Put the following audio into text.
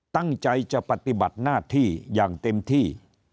ตั้งใจจะปฏิบัติหน้าที่อย่างเต็มที่